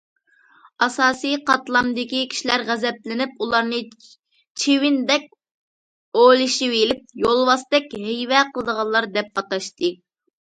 ئاساسىي قاتلامدىكى كىشىلەر غەزەپلىنىپ ئۇلارنى چىۋىندەك ئولىشىۋېلىپ، يولۋاستەك ھەيۋە قىلىدىغانلار دەپ ئاتاشتى.